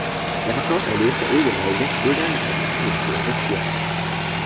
Der Verkaufserlös der Ölgemälde wurde dann in weitere Projekte investiert.